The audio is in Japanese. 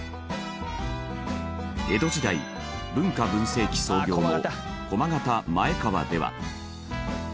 江戸時代文化・文政期創業の駒形前川では。